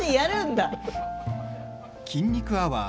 「筋肉アワー」